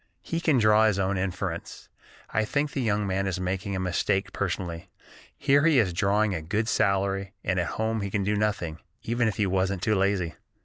He can draw his own inference. I think the young man is making a mistake personally. Here he is drawing a good salary, and at home he can do nothing, even if he wasn't too lazy."